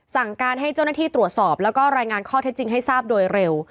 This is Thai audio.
สั่งการให้เจ้าหน้าที่ตรวจสอบแล้วก็รายงานข้อเท็จจริงให้ทราบโดยเร็ว